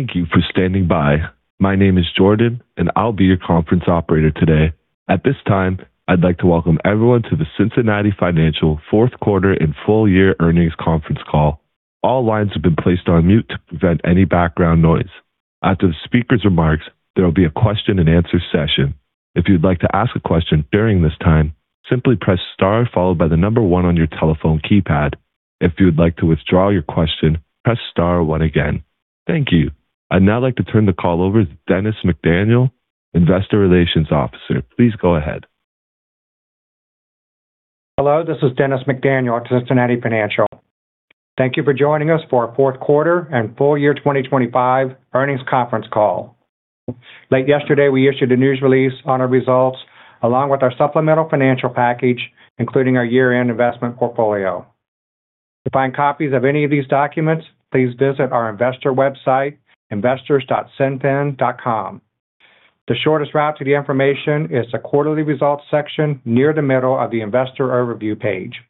Thank you for standing by. My name is Jordan, and I'll be your conference operator today. At this time, I'd like to welcome everyone to the Cincinnati Financial Fourth Quarter and Full Year Earnings Conference Call. All lines have been placed on mute to prevent any background noise. After the speaker's remarks, there will be a question-and-answer session. If you'd like to ask a question during this time, simply press star followed by the number one on your telephone keypad. If you would like to withdraw your question, press star one again. Thank you. I'd now like to turn the call over to Dennis McDaniel, Investor Relations Officer. Please go ahead. Hello, this is Dennis McDaniel at Cincinnati Financial. Thank you for joining us for our fourth quarter and full year 2025 earnings conference call. Late yesterday, we issued a news release on our results, along with our supplemental financial package, including our year-end investment portfolio. To find copies of any of these documents, please visit our investor website, investors.cinfin.com. The shortest route to the information is the Quarterly Results section near the middle of the Investor Overview page.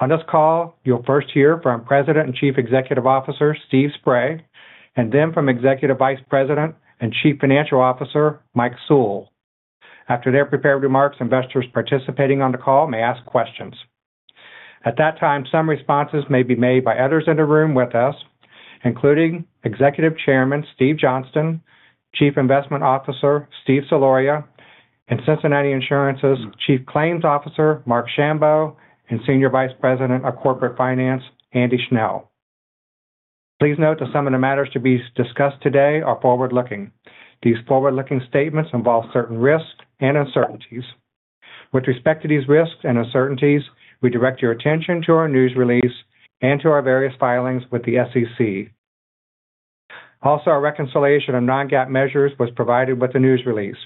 On this call, you'll first hear from President and Chief Executive Officer Steve Spray, and then from Executive Vice President and Chief Financial Officer Mike Sewell. After their prepared remarks, investors participating on the call may ask questions. At that time, some responses may be made by others in the room with us, including Executive Chairman Steve Johnston, Chief Investment Officer Steve Soloria, and Cincinnati Insurance's Chief Claims Officer Marc Schambow, and Senior Vice President of Corporate Finance, Andy Schnell. Please note that some of the matters to be discussed today are forward-looking. These forward-looking statements involve certain risks and uncertainties. With respect to these risks and uncertainties, we direct your attention to our news release and to our various filings with the SEC. Also, our reconciliation of non-GAAP measures was provided with the news release.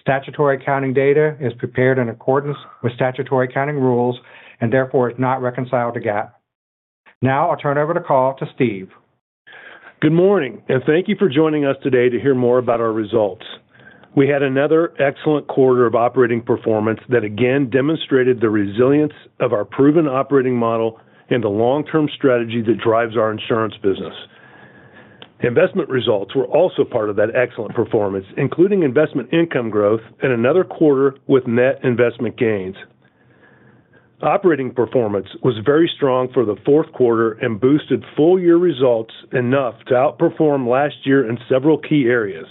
Statutory accounting data is prepared in accordance with statutory accounting rules and therefore is not reconciled to GAAP. Now I'll turn over the call to Steve. Good morning, and thank you for joining us today to hear more about our results. We had another excellent quarter of operating performance that again demonstrated the resilience of our proven operating model and the long-term strategy that drives our insurance business. Investment results were also part of that excellent performance, including investment income growth and another quarter with net investment gains. Operating performance was very strong for the fourth quarter and boosted full-year results enough to outperform last year in several key areas,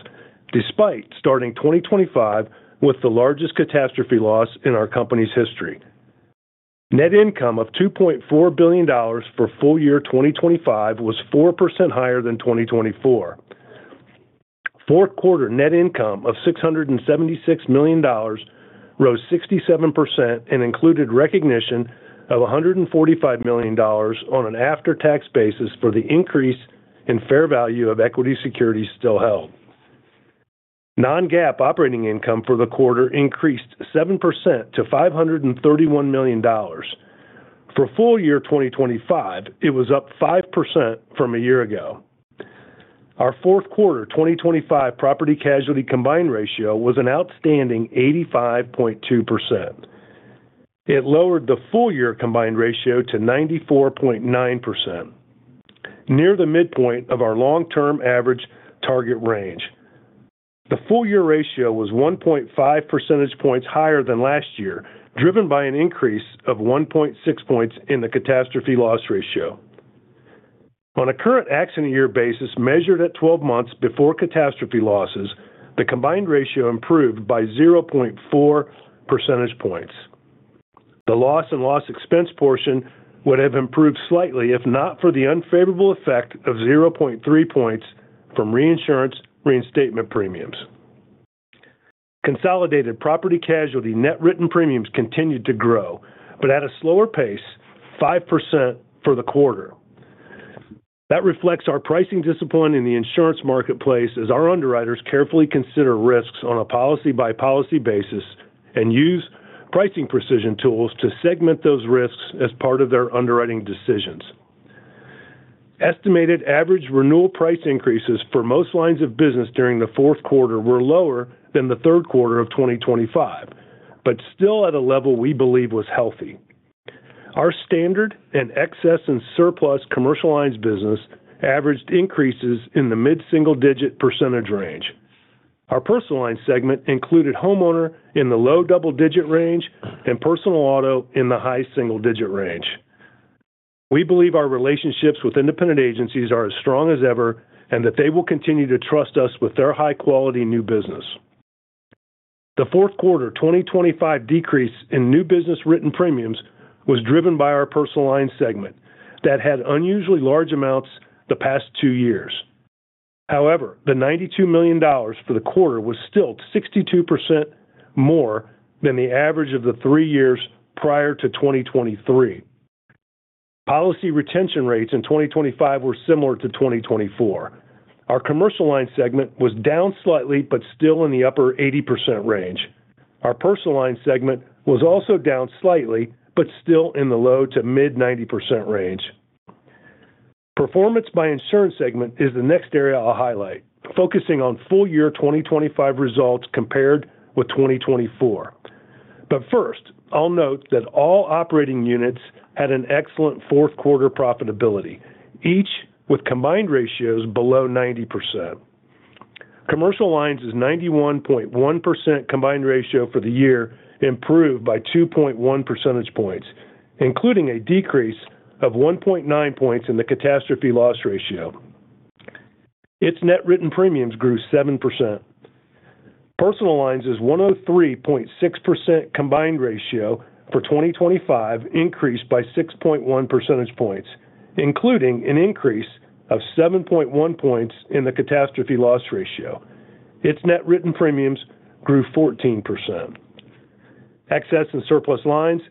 despite starting 2025 with the largest catastrophe loss in our company's history. Net income of $2.4 billion for full year 2025 was 4% higher than 2024. Fourth quarter net income of $676 million rose 67% and included recognition of $145 million on an after-tax basis for the increase in fair value of equity securities still held. Non-GAAP operating income for the quarter increased 7% to $531 million. For full year 2025, it was up 5% from a year ago. Our fourth quarter 2025 property casualty combined ratio was an outstanding 85.2%. It lowered the full-year combined ratio to 94.9%, near the midpoint of our long-term average target range. The full-year ratio was 1.5 percentage points higher than last year, driven by an increase of 1.6 points in the catastrophe loss ratio. On a current accident year basis, measured at 12 months before catastrophe losses, the combined ratio improved by 0.4 percentage points. The loss and loss expense portion would have improved slightly, if not for the unfavorable effect of 0.3 points from reinsurance reinstatement premiums. Consolidated property casualty net written premiums continued to grow, but at a slower pace, 5% for the quarter. That reflects our pricing discipline in the insurance marketplace as our underwriters carefully consider risks on a policy-by-policy basis and use pricing precision tools to segment those risks as part of their underwriting decisions. Estimated average renewal price increases for most lines of business during the fourth quarter were lower than the third quarter of 2025, but still at a level we believe was healthy. Our standard and excess and surplus commercial lines business averaged increases in the mid-single-digit percentage range. Our personal line segment included homeowner in the low double-digit range and personal auto in the high single-digit range. We believe our relationships with independent agencies are as strong as ever, and that they will continue to trust us with their high-quality new business. The fourth quarter 2025 decrease in new business written premiums was driven by our personal line segment that had unusually large amounts the past two years. However, the $92 million for the quarter was still 62% more than the average of the three years prior to 2023. Policy retention rates in 2025 were similar to 2024. Our commercial line segment was down slightly, but still in the upper 80% range. Our personal line segment was also down slightly, but still in the low to mid-90% range. Performance by insurance segment is the next area I'll highlight, focusing on full year 2025 results compared with 2024. But first, I'll note that all operating units had an excellent fourth quarter profitability, each with combined ratios below 90%. Commercial lines is 91.1% combined ratio for the year improved by 2.1 percentage points, including a decrease of 1.9 points in the catastrophe loss ratio. Its net written premiums grew 7%. Personal lines is 103.6% combined ratio for 2025 increased by 6.1 percentage points, including an increase of 7.1 points in the catastrophe loss ratio. Its net written premiums grew 14%. Excess and surplus lines,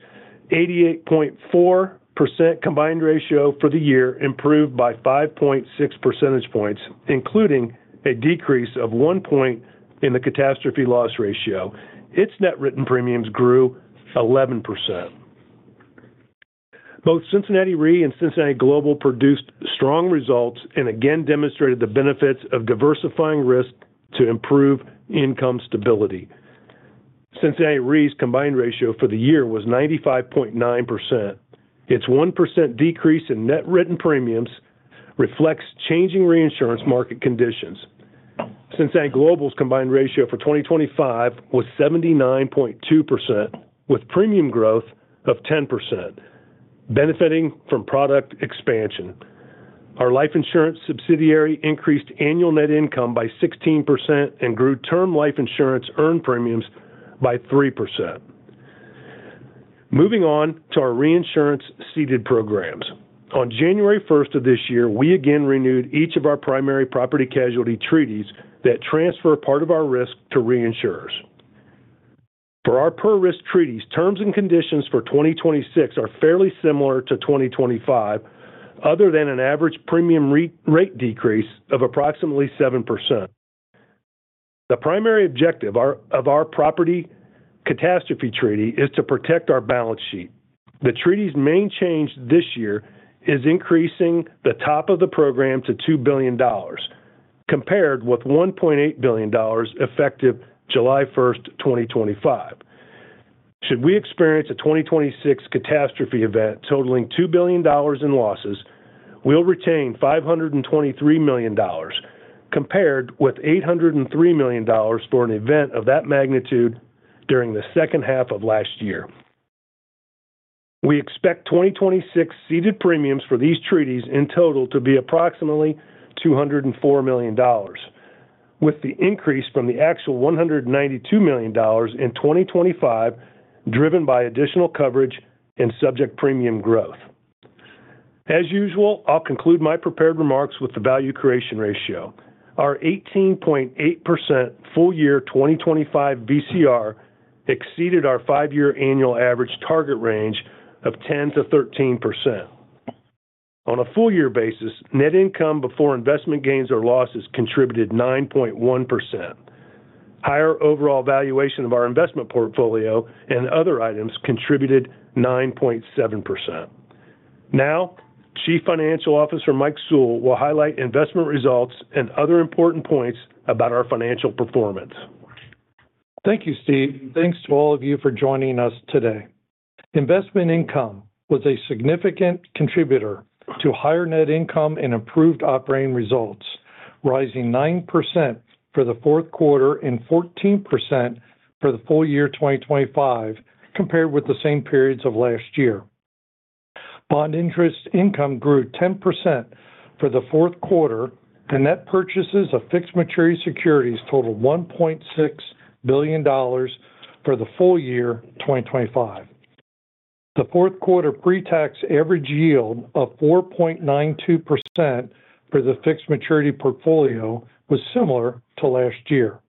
88.4% combined ratio for the year improved by 5.6 percentage points, including a decrease of 1 point in the catastrophe loss ratio. Its net written premiums grew 11%. Both Cincinnati Re and Cincinnati Global produced strong results and again demonstrated the benefits of diversifying risk to improve income stability. Cincinnati Re's combined ratio for the year was 95.9%. Its 1% decrease in net written premiums reflects changing reinsurance market conditions. Cincinnati Global's combined ratio for 2025 was 79.2%, with premium growth of 10%, benefiting from product expansion. Our life insurance subsidiary increased annual net income by 16% and grew term life insurance earned premiums by 3%. Moving on to our reinsurance ceded programs. On January 1st of this year, we again renewed each of our primary property casualty treaties that transfer part of our risk to reinsurers. For our per risk treaties, terms and conditions for 2026 are fairly similar to 2025, other than an average premium rerate decrease of approximately 7%. The primary objective of our property catastrophe treaty is to protect our balance sheet. The treaty's main change this year is increasing the top of the program to $2 billion, compared with $1.8 billion, effective July 1st, 2025. Should we experience a 2026 catastrophe event totaling $2 billion in losses, we'll retain $523 million, compared with $803 million for an event of that magnitude during the second half of last year. We expect 2026 ceded premiums for these treaties in total to be approximately $204 million, with the increase from the actual $192 million in 2025, driven by additional coverage and subject premium growth. As usual, I'll conclude my prepared remarks with the value creation ratio. Our 18.8% full year 2025 VCR exceeded our five-year annual average target range of 10%-13%. On a full year basis, net income before investment gains or losses contributed 9.1%. Higher overall valuation of our investment portfolio and other items contributed 9.7%. Now, Chief Financial Officer Mike Sewell will highlight investment results and other important points about our financial performance. Thank you, Steve. Thanks to all of you for joining us today. Investment income was a significant contributor to higher net income and improved operating results, rising 9% for the fourth quarter and 14% for the full year 2025, compared with the same periods of last year. Bond interest income grew 10% for the fourth quarter, and net purchases of fixed maturity securities totaled $1.6 billion for the full year 2025.... The fourth quarter pretax average yield of 4.92% for the fixed maturity portfolio was similar to last year.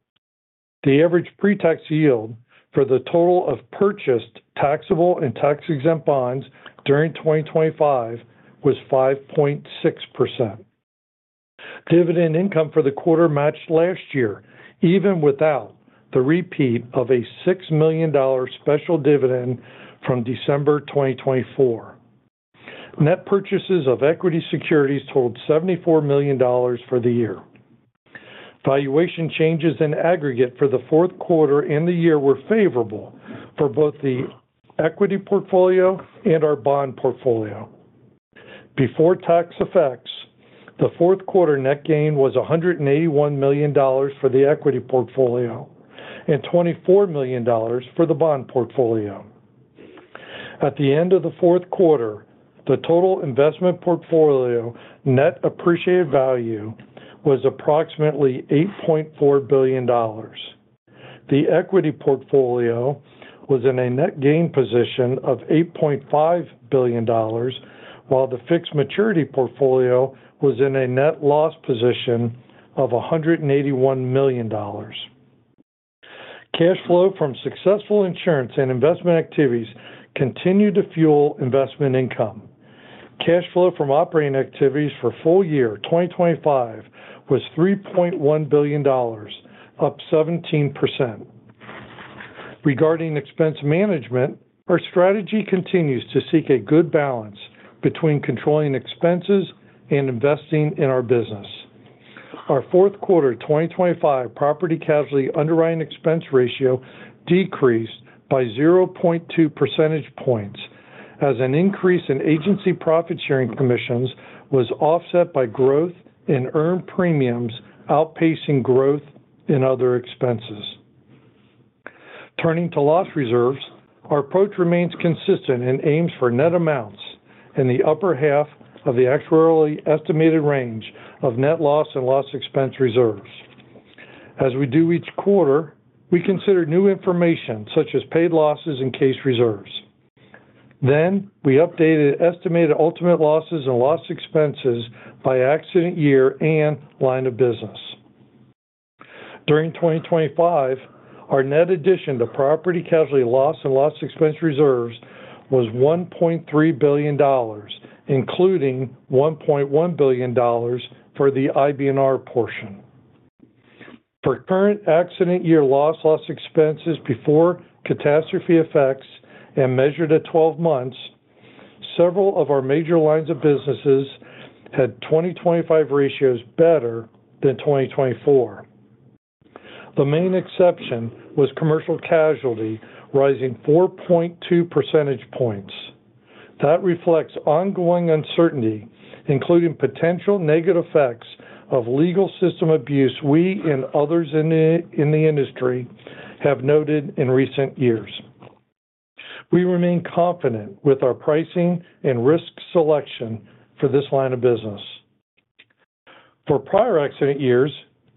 The average pretax yield for the total of purchased taxable and tax-exempt bonds during 2025 was 5.6%. Dividend income for the quarter matched last year, even without the repeat of a $6 million special dividend from December 2024. Net purchases of equity securities totaled $74 million for the year. Valuation changes in aggregate for the fourth quarter and the year were favorable for both the equity portfolio and our bond portfolio. Before tax effects, the fourth quarter net gain was $181 million for the equity portfolio and $24 million for the bond portfolio. At the end of the fourth quarter, the total investment portfolio net appreciated value was approximately $8.4 billion. The equity portfolio was in a net gain position of $8.5 billion, while the fixed maturity portfolio was in a net loss position of $181 million. Cash flow from successful insurance and investment activities continued to fuel investment income. Cash flow from operating activities for full year 2025 was $3.1 billion, up 17%. Regarding expense management, our strategy continues to seek a good balance between controlling expenses and investing in our business. Our fourth quarter 2025 property casualty underwriting expense ratio decreased by 0.2 percentage points, as an increase in agency profit-sharing commissions was offset by growth in earned premiums, outpacing growth in other expenses. Turning to loss reserves, our approach remains consistent and aims for net amounts in the upper half of the actuarially estimated range of net loss and loss expense reserves. As we do each quarter, we consider new information, such as paid losses and case reserves. Then we updated estimated ultimate losses and loss expenses by accident year and line of business. During 2025, our net addition to property casualty loss and loss expense reserves was $1.3 billion, including $1.1 billion for the IBNR portion. For current accident year loss, loss expenses before catastrophe effects and measured at 12 months, several of our major lines of businesses had 2025 ratios better than 2024. The main exception was commercial casualty, rising 4.2 percentage points. That reflects ongoing uncertainty, including potential negative effects of legal system abuse we and others in the industry have noted in recent years. We remain confident with our pricing and risk selection for this line of business. For prior accident years,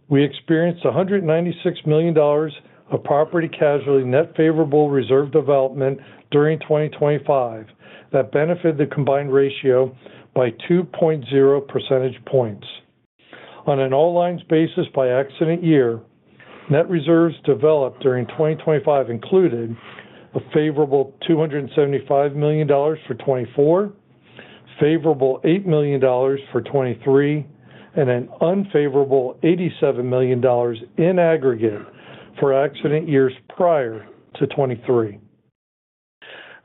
we experienced $196 million of property casualty net favorable reserve development during 2025. That benefited the combined ratio by 2.0 percentage points. On an all lines basis by accident year, net reserves developed during 2025 included a favorable $275 million for 2024, favorable $8 million for 2023, and an unfavorable $87 million in aggregate for accident years prior to 2023.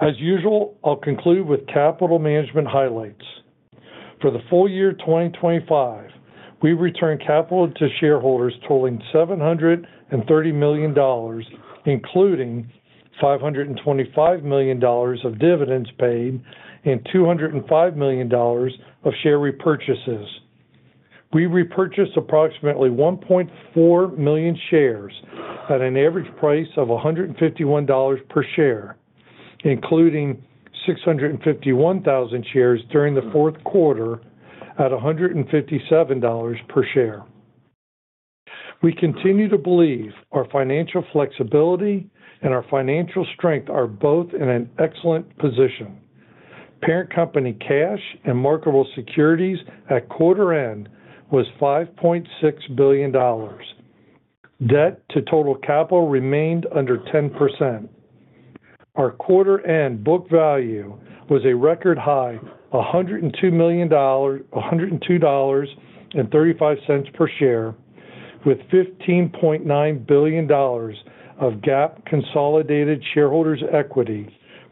As usual, I'll conclude with capital management highlights. For the full year 2025, we returned capital to shareholders totaling $730 million, including $525 million of dividends paid and $205 million of share repurchases. We repurchased approximately 1.4 million shares at an average price of $151 per share, including 651,000 shares during the fourth quarter at $157 per share. We continue to believe our financial flexibility and our financial strength are both in an excellent position. Parent company cash and marketable securities at quarter end was $5.6 billion. Debt to total capital remained under 10%. Our quarter end book value was a record high, $102.35 per share, with $15.9 billion of GAAP consolidated shareholders' equity,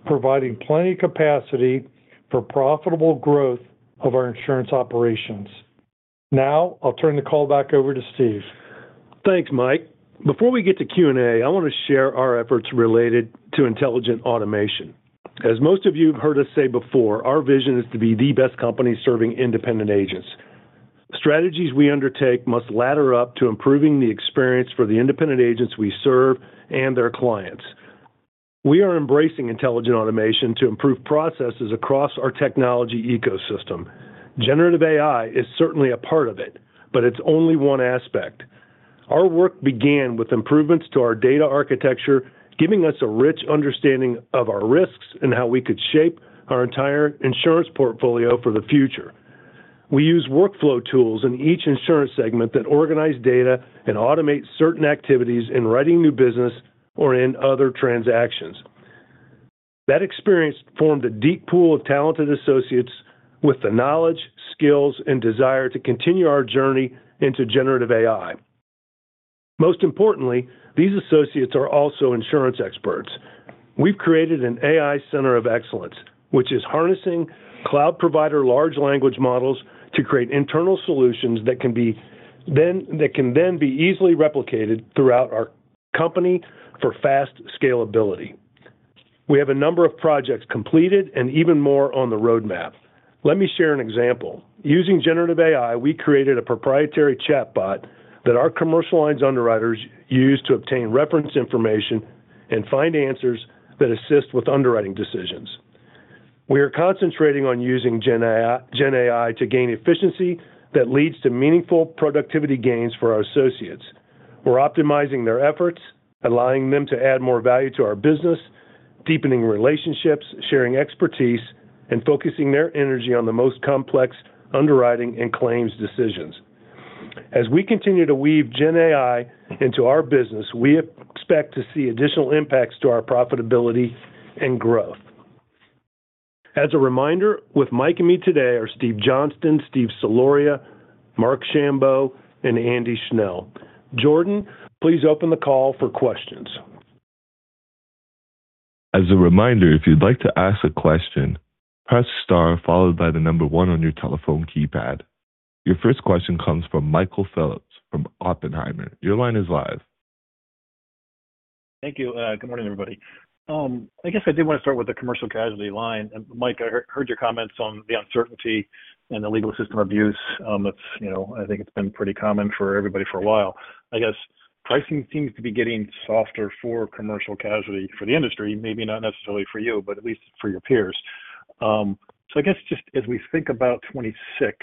providing plenty of capacity for profitable growth of our insurance operations. Now I'll turn the call back over to Steve. Thanks, Mike. Before we get to Q&A, I want to share our efforts related to intelligent automation. As most of you have heard us say before, our vision is to be the best company serving independent agents. Strategies we undertake must ladder up to improving the experience for the independent agents we serve and their clients. We are embracing intelligent automation to improve processes across our technology ecosystem. Generative AI is certainly a part of it, but it's only one aspect. Our work began with improvements to our data architecture, giving us a rich understanding of our risks and how we could shape our entire insurance portfolio for the future. We use workflow tools in each insurance segment that organize data and automate certain activities in writing new business or in other transactions. That experience formed a deep pool of talented associates with the knowledge, skills, and desire to continue our journey into generative AI. Most importantly, these associates are also insurance experts. We've created an AI center of excellence, which is harnessing cloud provider large language models to create internal solutions that can then be easily replicated throughout our company for fast scalability. We have a number of projects completed and even more on the roadmap. Let me share an example. Using generative AI, we created a proprietary chatbot that our commercial lines underwriters use to obtain reference information and find answers that assist with underwriting decisions. We are concentrating on using Gen AI, Gen AI to gain efficiency that leads to meaningful productivity gains for our associates. We're optimizing their efforts, allowing them to add more value to our business, deepening relationships, sharing expertise, and focusing their energy on the most complex underwriting and claims decisions. As we continue to weave Gen AI into our business, we expect to see additional impacts to our profitability and growth. As a reminder, with Mike and me today are Steve Johnston, Steve Soloria, Marc Schambow, and Andy Schnell. Jordan, please open the call for questions. As a reminder, if you'd like to ask a question, press star followed by the number one on your telephone keypad. Your first question comes from Michael Phillips from Oppenheimer. Your line is live. Thank you. Good morning, everybody. I guess I did want to start with the commercial casualty line. And, Mike, I heard your comments on the uncertainty and the legal system abuse. That's, you know, I think it's been pretty common for everybody for a while. I guess pricing seems to be getting softer for commercial casualty for the industry, maybe not necessarily for you, but at least for your peers. So I guess just as we think about 2026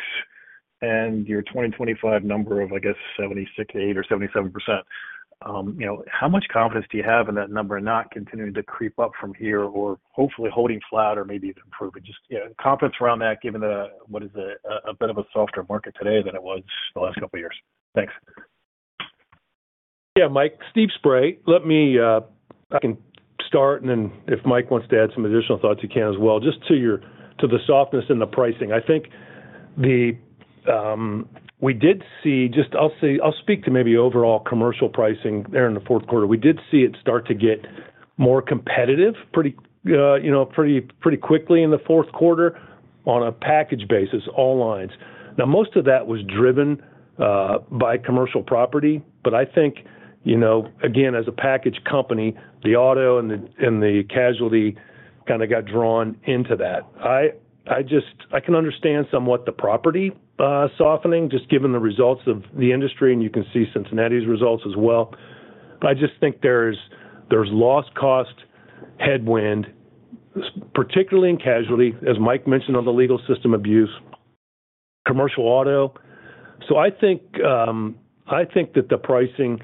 and your 2025 number of, I guess, 76% or 77%, you know, how much confidence do you have in that number not continuing to creep up from here or hopefully holding flat or maybe even improving? Just, you know, confidence around that, given the, what is it? A bit of a softer market today than it was the last couple of years. Thanks. Yeah. Mike, Steve Spray. Let me, I can start, and then if Mike wants to add some additional thoughts, he can as well. Just to your—to the softness in the pricing, I think the... We did see just—I'll say, I'll speak to maybe overall commercial pricing there in the fourth quarter. We did see it start to get more competitive, pretty, you know, pretty, pretty quickly in the fourth quarter on a package basis, all lines. Now, most of that was driven by commercial property, but I think, you know, again, as a package company, the auto and the, and the casualty kind of got drawn into that. I, I just—I can understand somewhat the property softening, just given the results of the industry, and you can see Cincinnati's results as well. But I just think there's loss cost headwind, particularly in casualty, as Mike mentioned, on the legal system abuse, commercial auto. So I think that the pricing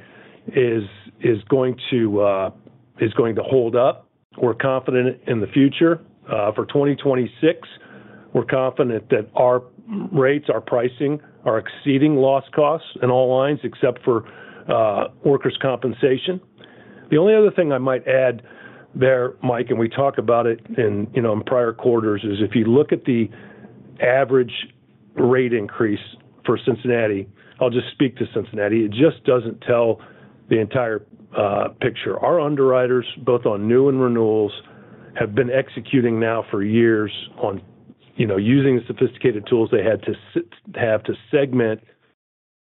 is going to hold up. We're confident in the future. For 2026, we're confident that our rates, our pricing, are exceeding loss costs in all lines except for workers' compensation. The only other thing I might add there, Mike, and we talked about it in, you know, in prior quarters, is if you look at the average rate increase for Cincinnati, I'll just speak to Cincinnati, it just doesn't tell the entire picture. Our underwriters, both on new and renewals, have been executing now for years on, you know, using the sophisticated tools they had to have to segment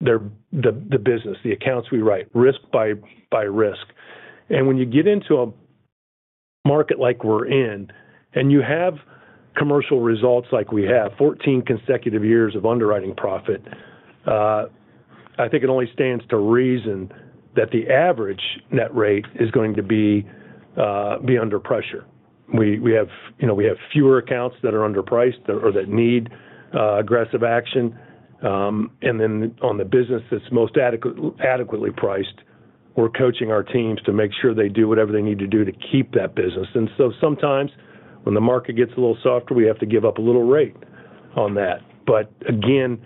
their business, the accounts we write, risk by risk. And when you get into a market like we're in, and you have commercial results like we have, 14 consecutive years of underwriting profit, I think it only stands to reason that the average net rate is going to be under pressure. We have, you know, fewer accounts that are underpriced or that need aggressive action. And then on the business that's most adequately priced, we're coaching our teams to make sure they do whatever they need to do to keep that business. And so sometimes when the market gets a little softer, we have to give up a little rate on that. But again,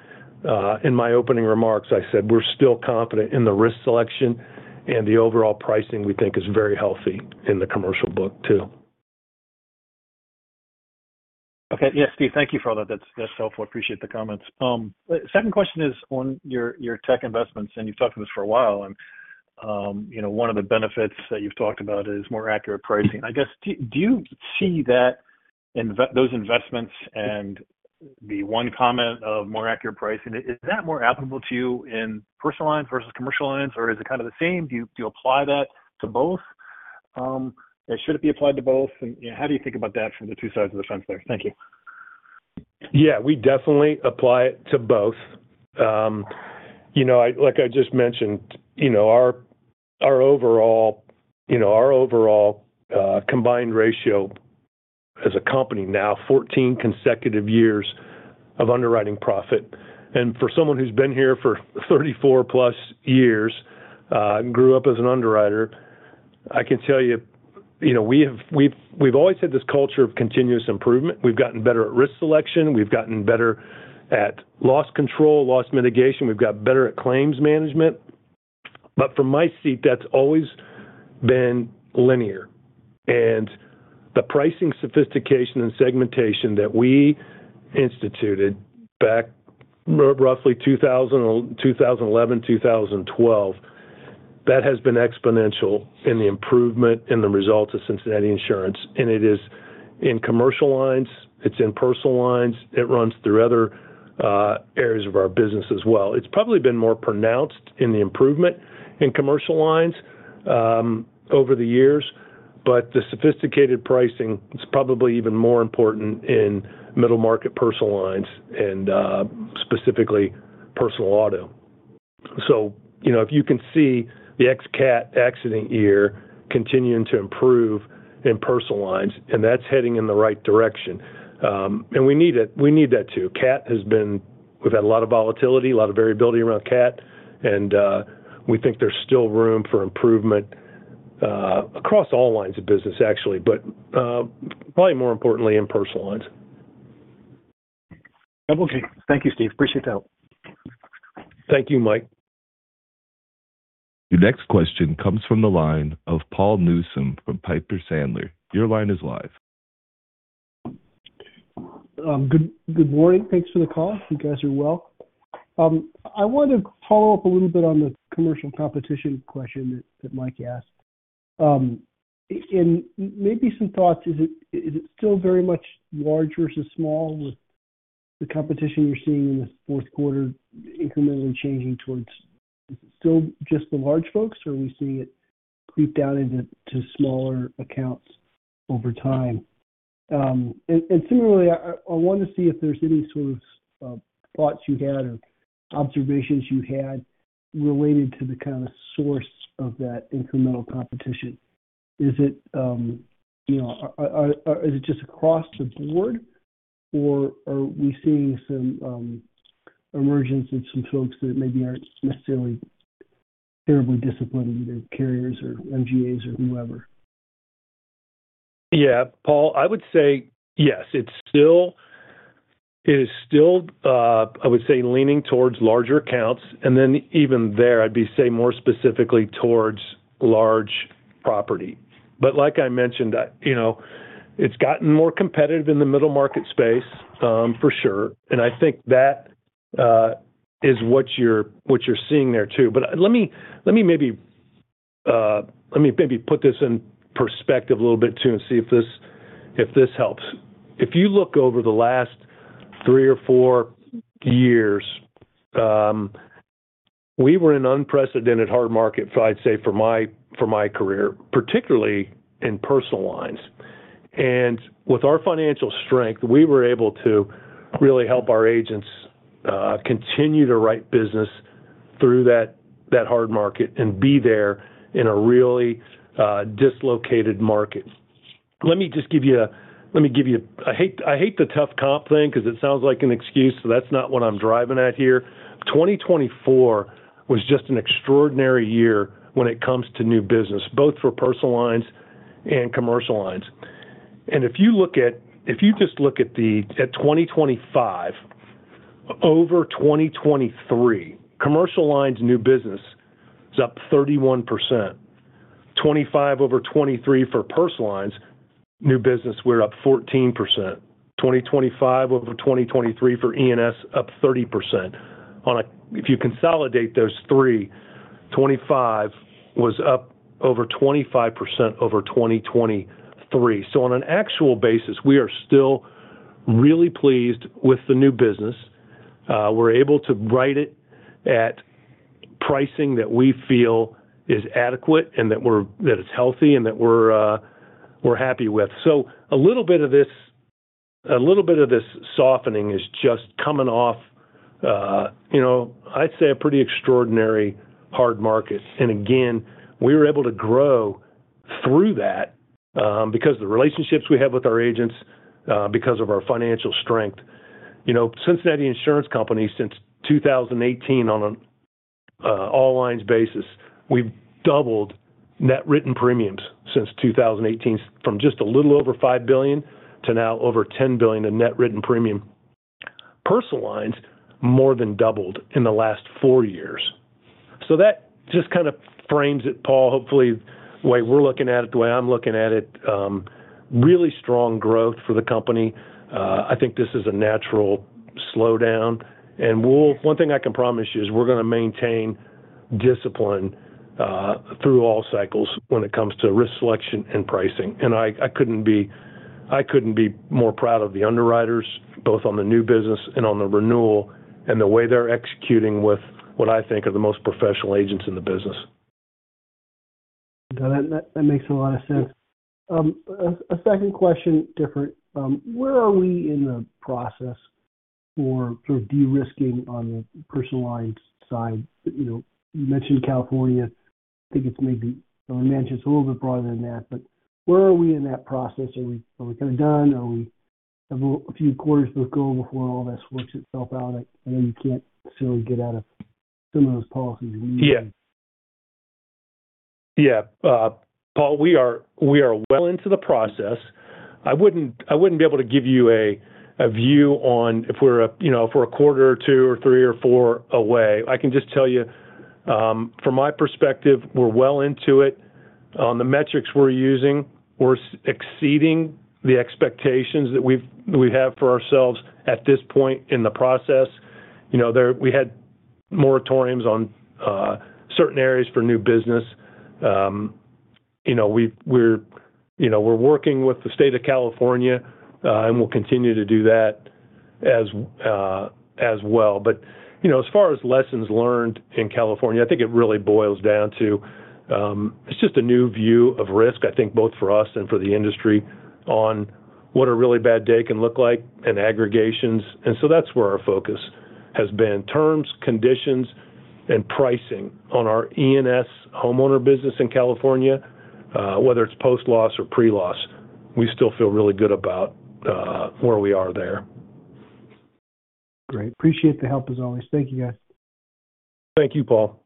in my opening remarks, I said we're still confident in the risk selection, and the overall pricing, we think, is very healthy in the commercial book, too. Okay. Yes, Steve, thank you for all that. That's helpful. I appreciate the comments. Second question is on your tech investments, and you've talked to us for a while, and, you know, one of the benefits that you've talked about is more accurate pricing. I guess, do you see that in those investments and the one comment of more accurate pricing, is that more applicable to you in personal lines versus commercial lines, or is it kind of the same? Do you apply that to both? Or should it be applied to both? And how do you think about that from the two sides of the fence there? Thank you. Yeah, we definitely apply it to both. You know, like I just mentioned, you know, our overall combined ratio as a company now, 14 consecutive years of underwriting profit. And for someone who's been here for 34+ years, and grew up as an underwriter, I can tell you, you know, we've always had this culture of continuous improvement. We've gotten better at risk selection, we've gotten better at loss control, loss mitigation, we've got better at claims management. But from my seat, that's always been linear. And the pricing, sophistication, and segmentation that we instituted back roughly 2011, 2012, that has been exponential in the improvement in the results of Cincinnati Insurance. It is in commercial lines, it's in personal lines, it runs through other areas of our business as well. It's probably been more pronounced in the improvement in commercial lines over the years, but the sophisticated pricing is probably even more important in middle market personal lines and specifically personal auto. So, you know, if you can see the ex-cat accident year continuing to improve in personal lines, and that's heading in the right direction. And we need it. We need that too. Cat has been. We've had a lot of volatility, a lot of variability around cat, and we think there's still room for improvement across all lines of business, actually, but probably more importantly, in personal lines. Okay. Thank you, Steve. Appreciate the help. Thank you, Mike. Your next question comes from the line of Paul Newsome from Piper Sandler. Your line is live. Good morning. Thanks for the call. You guys are well. I want to follow up a little bit on the commercial competition question that Mike asked. And maybe some thoughts. Is it still very much large versus small with the competition you're seeing in the fourth quarter incrementally changing towards still just the large folks, or are we seeing it creep down into smaller accounts over time? And similarly, I want to see if there's any sort of thoughts you had or observations you had related to the kind of source of that incremental competition. Is it, you know, just across the board, or are we seeing some emergence of some folks that maybe aren't necessarily terribly disciplined, either carriers or MGAs or whoever? Yeah, Paul, I would say yes, it's still... It is still, I would say, leaning towards larger accounts, and then even there, I'd be saying more specifically towards large property. But like I mentioned, you know, it's gotten more competitive in the middle market space, for sure, and I think that is what you're, what you're seeing there too. But let me, let me maybe, let me maybe put this in perspective a little bit, too, and see if this, if this helps. If you look over the last three or four years, we were in an unprecedented hard market, I'd say, for my, for my career, particularly in personal lines. And with our financial strength, we were able to really help our agents, continue to write business through that, that hard market and be there in a really, dislocated market. Let me give you a... I hate the tough comp thing because it sounds like an excuse, so that's not what I'm driving at here. 2024 was just an extraordinary year when it comes to new business, both for personal lines and commercial lines. If you just look at 2025 over 2023, commercial lines new business is up 31%. 2025 over 2023 for personal lines new business, we're up 14%. 2025 over 2023 for E&S, up 30%. If you consolidate those three, 2025 was up over 25% over 2023. So on an actual basis, we are still really pleased with the new business. We're able to write it at pricing that we feel is adequate and that it's healthy and that we're happy with. So a little bit of this, a little bit of this softening is just coming off, you know, I'd say a pretty extraordinary hard market. And again, we were able to grow through that, because of the relationships we have with our agents, because of our financial strength. You know, Cincinnati Insurance Company, since 2018, on an all lines basis, we've doubled net written premiums since 2018, from just a little over $5 billion to now over $10 billion in net written premium. Personal lines more than doubled in the last four years. So that just kind of frames it, Paul. Hopefully, the way we're looking at it, the way I'm looking at it, really strong growth for the company. I think this is a natural slowdown, and we'll—one thing I can promise you is we're going to maintain discipline, through all cycles when it comes to risk selection and pricing. And I, I couldn't be, I couldn't be more proud of the underwriters, both on the new business and on the renewal, and the way they're executing with what I think are the most professional agents in the business. That makes a lot of sense. A second question, different. Where are we in the process?... for sort of de-risking on the personalized side. You know, you mentioned California. I think it's maybe, I imagine it's a little bit broader than that, but where are we in that process? Are we kind of done, or are we have a few quarters to go before all this works itself out? I know you can't necessarily get out of some of those policies. Yeah. Yeah, Paul, we are well into the process. I wouldn't be able to give you a view on if we're, you know, if we're a quarter or two or three or four away. I can just tell you, from my perspective, we're well into it. On the metrics we're using, we're exceeding the expectations that we have for ourselves at this point in the process. You know, there we had moratoriums on certain areas for new business. You know, we're working with the state of California, and we'll continue to do that as well. But, you know, as far as lessons learned in California, I think it really boils down to, it's just a new view of risk, I think, both for us and for the industry, on what a really bad day can look like and aggregations. And so that's where our focus has been: terms, conditions, and pricing on our E&S homeowner business in California, whether it's post-loss or pre-loss, we still feel really good about, where we are there. Great. Appreciate the help, as always. Thank you, guys. Thank you, Paul.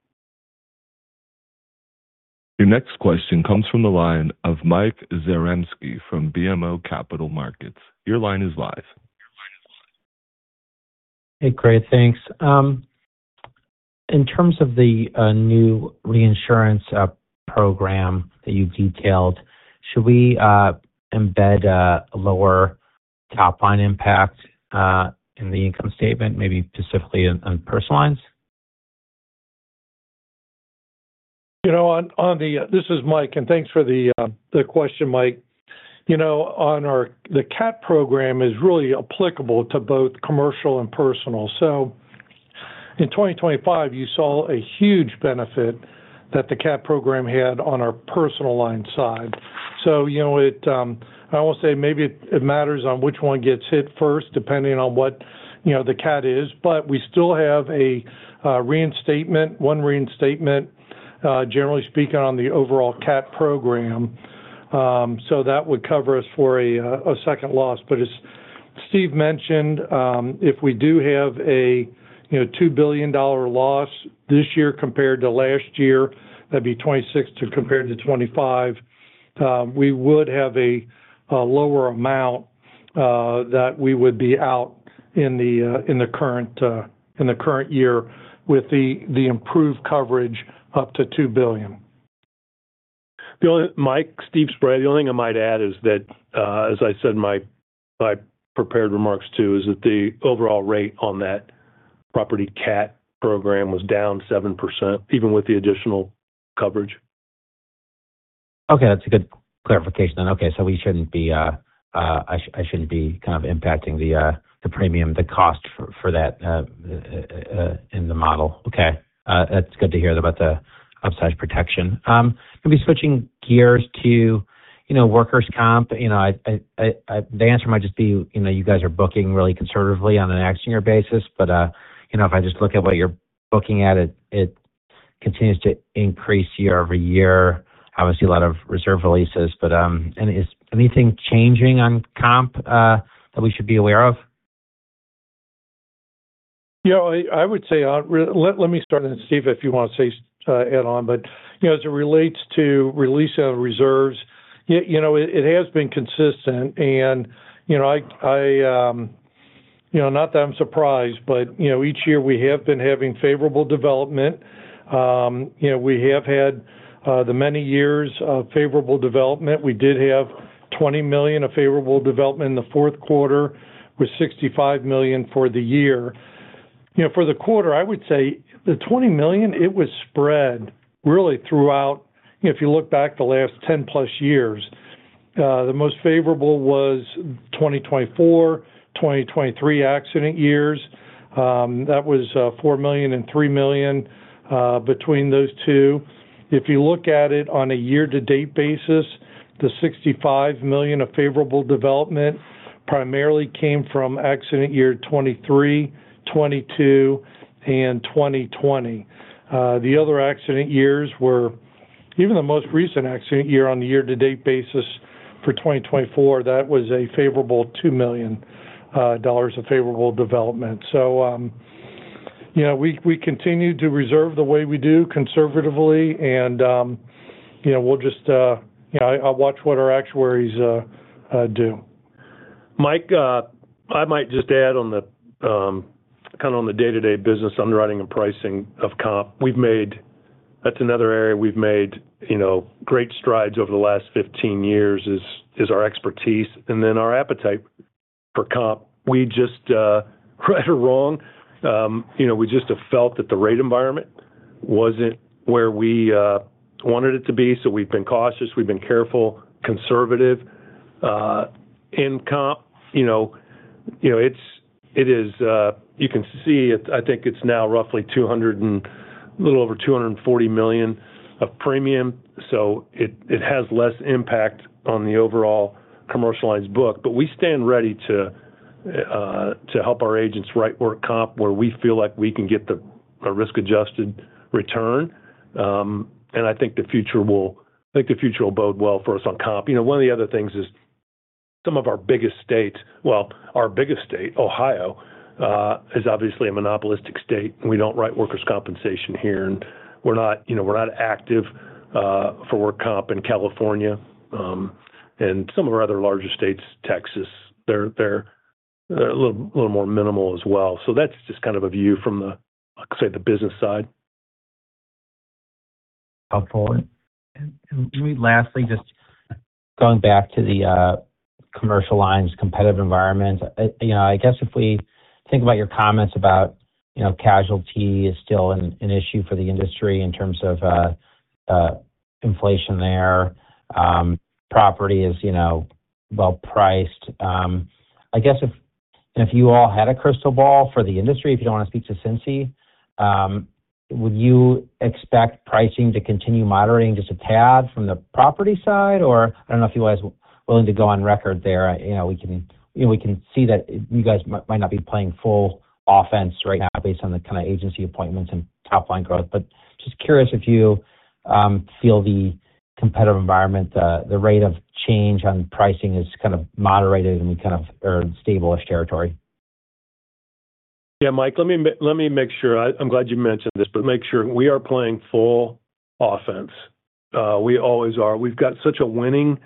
Your next question comes from the line of Mike Zaremski from BMO Capital Markets. Your line is live. Hey, great. Thanks. In terms of the new reinsurance program that you've detailed, should we embed a lower top line impact in the income statement, maybe specifically on personal lines? You know, on the... This is Mike, and thanks for the question, Mike. You know, on our—the cat program is really applicable to both commercial and personal. So in 2025, you saw a huge benefit that the cat program had on our personal line side. So, you know, it, I will say maybe it matters on which one gets hit first, depending on what, you know, the cat is. But we still have a reinstatement, one reinstatement, generally speaking, on the overall cat program. So that would cover us for a second loss. But as Steve mentioned, if we do have a, you know, $2 billion loss this year compared to last year, that'd be 2026 compared to 2025, we would have a lower amount that we would be out in the current year with the improved coverage up to $2 billion. Mike, Steve Spray. The only thing I might add is that, as I said in my prepared remarks, too, is that the overall rate on that property cat program was down 7%, even with the additional coverage. Okay, that's a good clarification. Okay, so I shouldn't be kind of impacting the premium, the cost for that in the model. Okay. That's good to hear about the upside protection. Maybe switching gears to, you know, workers' comp. You know, the answer might just be, you know, you guys are booking really conservatively on a next-year basis, but, you know, if I just look at what you're booking at, it continues to increase year-over-year. Obviously, a lot of reserve releases, but, and is anything changing on comp that we should be aware of? Yeah, I would say, let me start, and, Steve, if you want to say, add on. But, you know, as it relates to release of reserves, you know, it has been consistent and, you know, I, you know, not that I'm surprised, but, you know, each year we have been having favorable development. You know, we have had the many years of favorable development. We did have $20 million of favorable development in the fourth quarter, with $65 million for the year. You know, for the quarter, I would say the $20 million, it was spread really throughout. If you look back the last 10-plus years, the most favorable was 2024, 2023 accident years. That was $4 million and $3 million between those two. If you look at it on a year-to-date basis, the $65 million of favorable development primarily came from accident year 2023, 2022, and 2020. The other accident years were even the most recent accident year on the year-to-date basis for 2024, that was a favorable $2 million dollars of favorable development. So, you know, we continue to reserve the way we do conservatively, and, you know, we'll just, you know, I'll watch what our actuaries do. Mike, I might just add on the kind of on the day-to-day business, underwriting and pricing of comp. We've made-- That's another area we've made, you know, great strides over the last 15 years, is our expertise and then our appetite for comp. We just, right or wrong, you know, we just have felt that the rate environment wasn't where we wanted it to be, so we've been cautious, we've been careful, conservative. In comp, you know, you know, it's-- it is, you can see it, I think it's now roughly a little over $240 million of premium, so it has less impact on the overall commercial lines book. But we stand ready to help our agents write work comp, where we feel like we can get a risk-adjusted return. And I think the future will bode well for us on comp. You know, one of the other things is some of our biggest states, well, our biggest state, Ohio, is obviously a monopolistic state, and we don't write workers' compensation here, and we're not, you know, we're not active for work comp in California. And some of our other larger states, Texas, they're a little more minimal as well. So that's just kind of a view from the, I'd say, the business side. Helpful. And let me lastly just going back to the commercial lines competitive environment. You know, I guess if we think about your comments about, you know, casualty is still an issue for the industry in terms of inflation there, property is, you know, well-priced. I guess if you all had a crystal ball for the industry, if you don't want to speak to Cincy, would you expect pricing to continue moderating just a tad from the property side? Or I don't know if you guys are willing to go on record there. You know, we can see that you guys might not be playing full offense right now based on the kind of agency appointments and top-line growth. But just curious, if you feel the competitive environment, the rate of change on pricing is kind of moderated and we kind of are in stable-ish territory. Yeah, Mike, let me make sure... I'm glad you mentioned this, but make sure we are playing full offense. We always are. We've got such a winning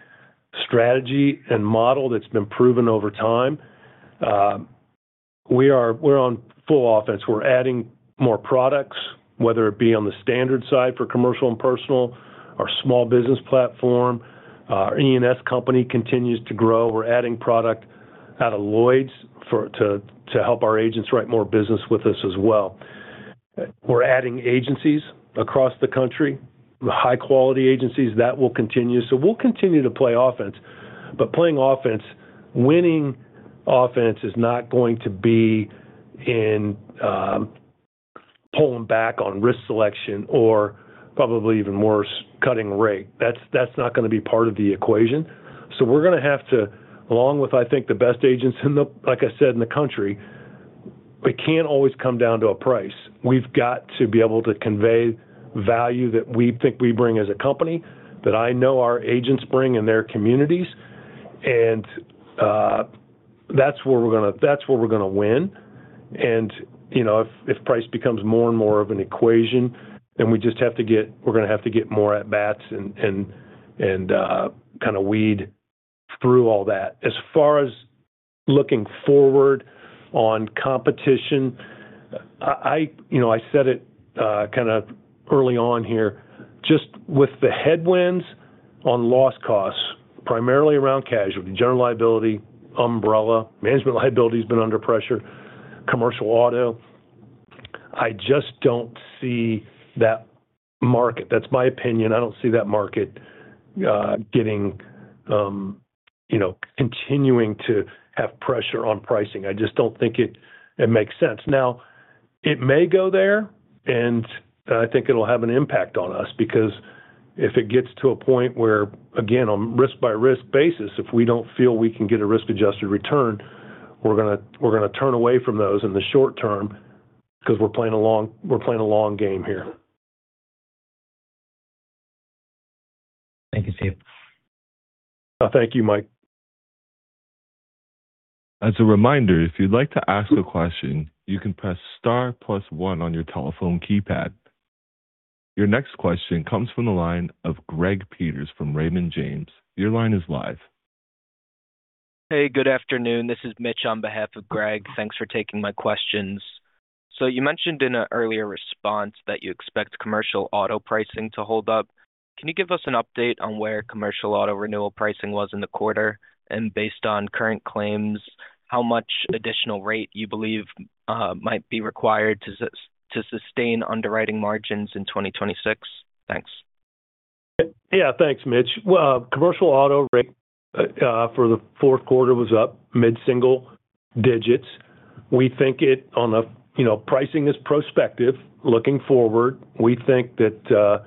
strategy and model that's been proven over time. We're on full offense. We're adding more products, whether it be on the standard side for commercial and personal, our small business platform, our E&S company continues to grow. We're adding product out of Lloyd's to help our agents write more business with us as well. We're adding agencies across the country, high-quality agencies, that will continue. So we'll continue to play offense, but playing offense, winning offense, is not going to be in pulling back on risk selection or probably even worse, cutting rate. That's not going to be part of the equation. So we're going to have to, along with, I think, the best agents in the, like I said, in the country, it can't always come down to a price. We've got to be able to convey value that we think we bring as a company, that I know our agents bring in their communities. That's where we're going to win. You know, if price becomes more and more of an equation, then we're going to have to get more at bats and kind of weed through all that. As far as looking forward on competition, you know, I said it kind of early on here, just with the headwinds on loss costs, primarily around casualty, general liability, umbrella, management liability has been under pressure, commercial auto. I just don't see that market. That's my opinion. I don't see that market getting, you know, continuing to have pressure on pricing. I just don't think it makes sense. Now, it may go there, and I think it'll have an impact on us, because if it gets to a point where, again, on a risk-by-risk basis, if we don't feel we can get a risk-adjusted return, we're going to turn away from those in the short term because we're playing a long game here. Thank you, Steve. Thank you, Mike. As a reminder, if you'd like to ask a question, you can press star plus one on your telephone keypad. Your next question comes from the line of Greg Peters from Raymond James. Your line is live. Hey, good afternoon. This is Mitch on behalf of Greg. Thanks for taking my questions. So you mentioned in an earlier response that you expect commercial auto pricing to hold up. Can you give us an update on where commercial auto renewal pricing was in the quarter? And based on current claims, how much additional rate you believe might be required to sustain underwriting margins in 2026? Thanks. Yeah. Thanks, Mitch. Well, commercial auto rate for the fourth quarter was up mid-single digits. We think it on a, you know, pricing is prospective. Looking forward, we think that,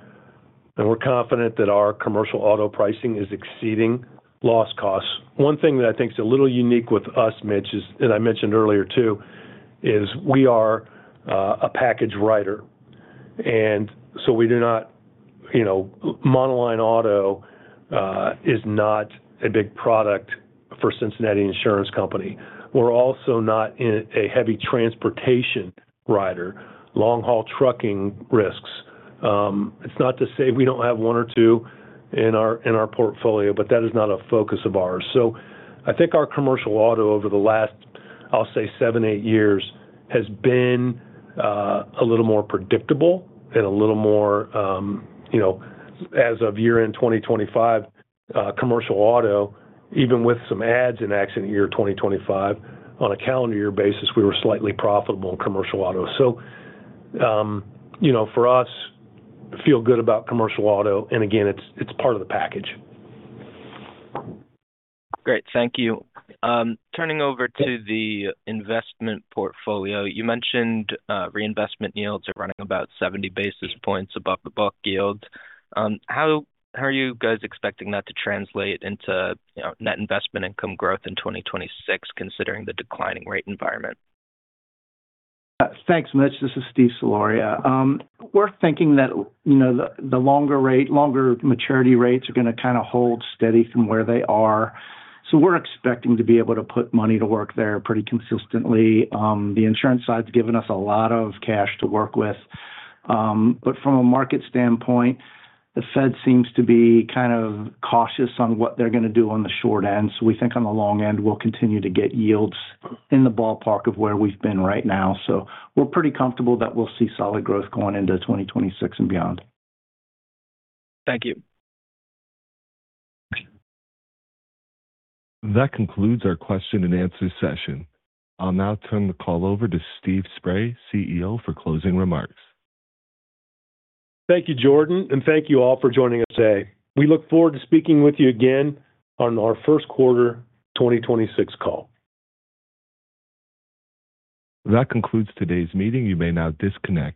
and we're confident that our commercial auto pricing is exceeding loss costs. One thing that I think is a little unique with us, Mitch, is, and I mentioned earlier, too, is we are, a package writer, and so we do not... You know, monoline auto, is not a big product for Cincinnati Insurance Company. We're also not in a heavy transportation writer, long-haul trucking risks. It's not to say we don't have one or two in our portfolio, but that is not a focus of ours. So I think our commercial auto over the last, I'll say, seven-eight years, has been a little more predictable and a little more, you know, as of year-end 2025, commercial auto, even with some accidents in accident year 2025, on a calendar year basis, we were slightly profitable in commercial auto. So, you know, for us, feel good about commercial auto, and again, it's, it's part of the package. Great. Thank you. Turning over to the investment portfolio, you mentioned, reinvestment yields are running about 70 basis points above the book yield. How are you guys expecting that to translate into, you know, net investment income growth in 2026, considering the declining rate environment? Thanks, Mitch. This is Steve Soloria. We're thinking that, you know, the longer rate, longer maturity rates are going to kind of hold steady from where they are, so we're expecting to be able to put money to work there pretty consistently. The insurance side has given us a lot of cash to work with. But from a market standpoint, the Fed seems to be kind of cautious on what they're going to do on the short end. So we think on the long end, we'll continue to get yields in the ballpark of where we've been right now. So we're pretty comfortable that we'll see solid growth going into 2026 and beyond. Thank you. That concludes our question and answer session. I'll now turn the call over to Steve Spray, CEO, for closing remarks. Thank you, Jordan, and thank you all for joining us today. We look forward to speaking with you again on our first quarter 2026 call. That concludes today's meeting. You may now disconnect.